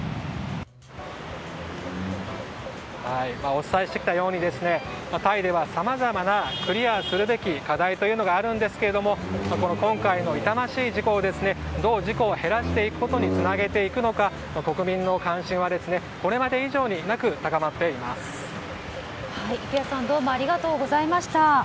お伝えしてきたようにタイではさまざまなクリアすべき課題があるんですが今回の痛ましい事故をどう事故を減らしていくことにつなげていくのか国民の関心はこれまで以上になく池谷さんありがとうございました。